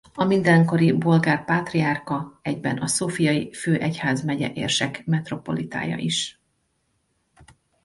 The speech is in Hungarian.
A mindenkori bolgár pátriárka egyben a Szófiai Főegyházmegye érsek-metropolitája is.